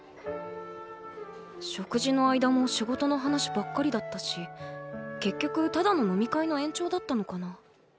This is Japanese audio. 食事の間も仕事の話ばっかりだったし結局ただの飲み会の延長だったのかな